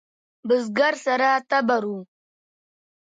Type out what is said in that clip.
بزگر سره تبر و.